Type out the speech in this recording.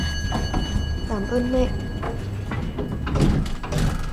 Cảm ơn mẹ